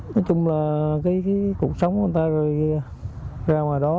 nói chung là cái cuộc sống của người ta rồi ra ngoài đó